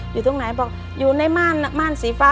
อยู่ตรงไหนบอกอยู่ในม่านม่านสีฟ้า